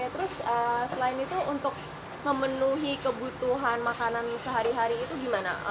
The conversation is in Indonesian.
terus selain itu untuk memenuhi kebutuhan makanan sehari hari itu gimana